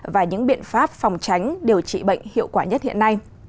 và những biện pháp phòng tránh điều trị bệnh hiệu quả nhất hiện nay